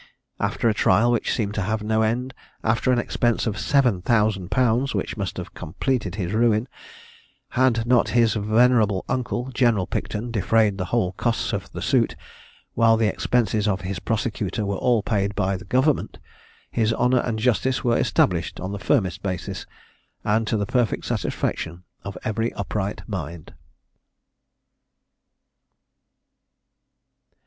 After a trial which seemed to have no end, after an expense of seven thousand pounds, which must have completed his ruin, had not his venerable uncle, General Picton, defrayed the whole costs of the suit, while the expenses of his prosecutor were all paid by the government, his honour and justice were established on the firmest basis, and to the perfect satisfaction of every upright mind."